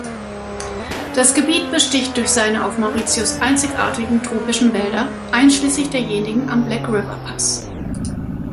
Das Gebiet besticht durch seine auf Mauritius einzigartigen tropischen Wälder, einschließlich derjenigen am Black-River-Pass.